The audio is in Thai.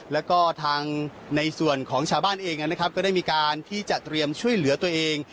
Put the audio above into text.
แล้วก็ทางในส่วนของชาวบ้านเองนะครับก็ได้มีการที่จะเตรียมช่วยเหลือตัวเอง